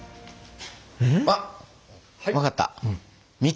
あっ分かった。